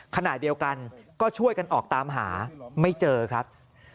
ขณะเดียวกันก็ช่วยกันออกตามหาไม่เจอครับ